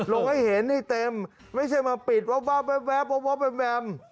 ลงให้เห็นให้เต็มไม่ใช่มาปิดว๊าบว๊าบว๊าบว๊าบว๊าบแวมแวม